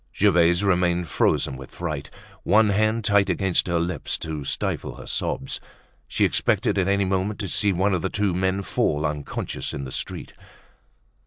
Gervaise remained frozen with fright, one hand tight against her lips to stifle her sobs. She expected at any moment to see one of the two men fall unconscious in the street.